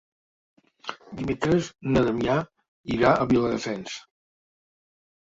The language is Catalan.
Dimecres na Damià irà a Viladasens.